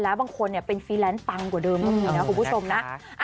แล้วบางคนเป็นฟีแลนซ์ปังกว่าเดิมบางทีนะคุณผู้ชมนะ